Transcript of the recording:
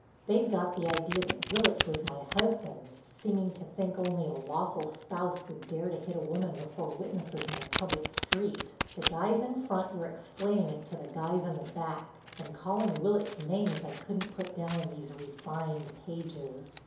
They'd got the idea that Willitts was my husband, seeming to think only a lawful spouse would dare to hit a woman before witnesses in the public street. The guys in the front were explaining it to the guys in the back and calling Willitts names I couldn't put down in these refined pages.